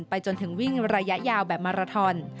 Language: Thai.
จนถึงวิ่งระยะยาวแบบมาราทอน